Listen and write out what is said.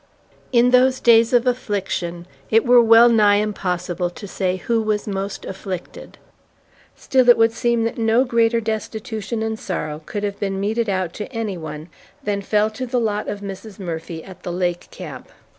In those days of affliction, it were well nigh impossible to say who was most afflicted; still, it would seem that no greater destitution and sorrow could have been meted to any one than fell to the lot of Mrs. Murphy at the lake camp.